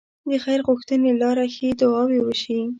د خير غوښتنې لاره ښې دعاوې وشي.